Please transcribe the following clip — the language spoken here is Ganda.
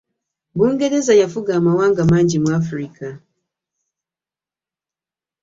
Bungereza yafuga amawanga mangi mu Africa.